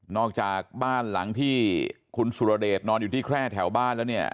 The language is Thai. อกจากบ้านหลังที่คุณสุรเดชนอนอยู่ที่แคร่แถวบ้านแล้วเนี่ย